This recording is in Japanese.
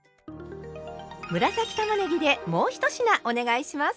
紫たまねぎでもう１品お願いします！